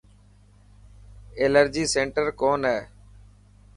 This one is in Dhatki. ايلرجي سينٽر ڪون هي.